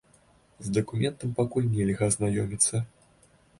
З дакументам пакуль нельга азнаёміцца.